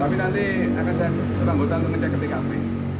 tapi nanti akan saya disuruh anggota untuk ngecek ke tkp